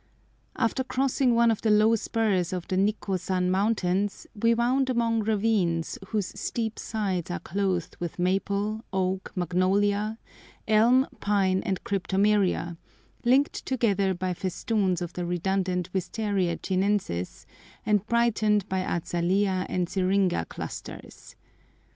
After crossing one of the low spurs of the Nikkôsan mountains, we wound among ravines whose steep sides are clothed with maple, oak, magnolia, elm, pine, and cryptomeria, linked together by festoons of the redundant Wistaria chinensis, and brightened by azalea and syringa clusters.